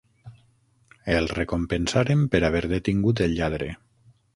El recompensaren per haver detingut el lladre.